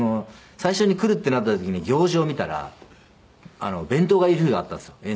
最初に来るってなった時に行事を見たら弁当がいる日があったんですよ